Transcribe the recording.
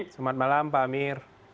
selamat malam pak amir